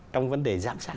trong vấn đề giám sát